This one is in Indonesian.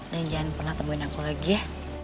nih jangan pernah temuin aku lagi ya